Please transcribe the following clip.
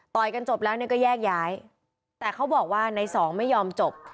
กันจบแล้วเนี่ยก็แยกย้ายแต่เขาบอกว่าในสองไม่ยอมจบ